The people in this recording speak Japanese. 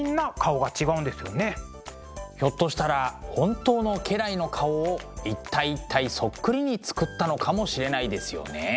ひょっとしたら本当の家来の顔を一体一体そっくりに作ったのかもしれないですよね。